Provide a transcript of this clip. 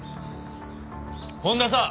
本田さん！